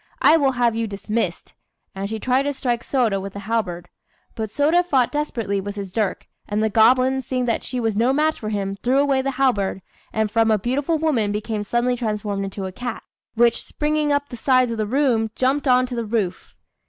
I will have you dismissed;" and she tried to strike Sôda with the halberd. But Sôda fought desperately with his dirk; and the goblin, seeing that she was no match for him, threw away the halberd, and from a beautiful woman became suddenly transformed into a cat, which, springing up the sides of the room, jumped on to the roof.